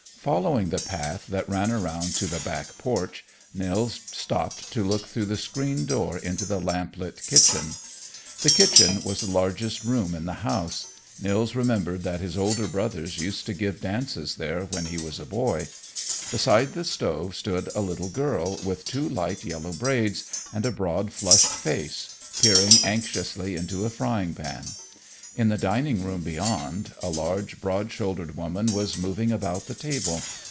Following the path that ran around to the back porch, Nils stopped to look through the screen door into the lamp lit kitchen. The kitchen was the largest room in the house; Nils remembered that his older brothers used to give dances there when he was a boy. Beside the stove stood a little girl with two light yellow braids and a broad, flushed face, peering anxiously into a frying pan. In the dining room beyond, a large, broad shouldered woman was moving about the table.